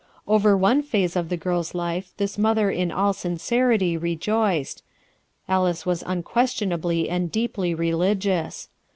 Over one phase of the girl's life this mother in all sincerity rejoiced. Alice was unques tionably and deeply religious.